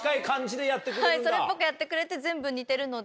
はいそれっぽくやってくれて。